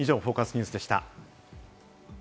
ニュースでした。